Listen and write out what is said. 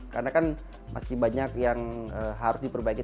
karena kan masih banyak yang harus diperbaiki